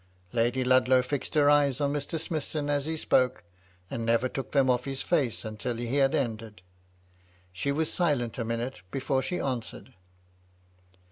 Lady Ludlow fixed her eyes on Mr. Smithson as he spoke, and never took them off his face until he had ended. She was silent a minute before she answered.